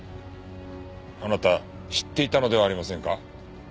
あなた知っていたのではありませんか？